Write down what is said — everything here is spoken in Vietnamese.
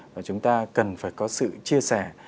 và chúng ta cần phải có sự chia sẻ